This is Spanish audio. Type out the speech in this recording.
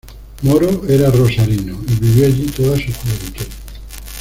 Moro era rosarino, y vivió allí toda su juventud.